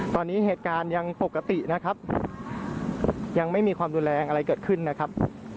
ตอนนี้เหตุการณ์ยังปกตินะครับยังไม่มีความรุนแรงอะไรเกิดขึ้นนะครับ